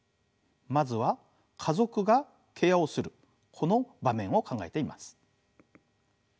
まずは家族がケアをするこの場面を考えてみます。